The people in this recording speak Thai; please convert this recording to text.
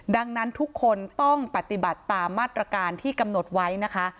ดังนั้นทุกคนต้องปฏิบัติตามมาตรการที่กำหนดไว้นะคะ